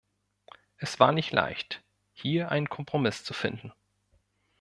Es war nicht leicht, hier einen Kompromiss zu finden.